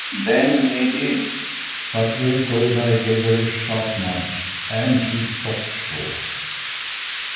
Then it is " But here Goldeye gave her a sharp nudge, and she stopped short.